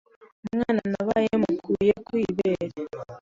umwana nabaye mukuye ku ibere,